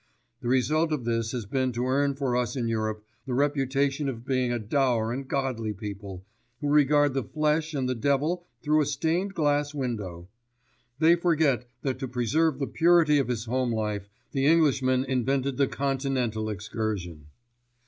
The result of this has been to earn for us in Europe the reputation of being a dour and godly people, who regard the flesh and the devil through a stained glass window. They forget that to preserve the purity of his home life, the Englishman invented the continental excursion."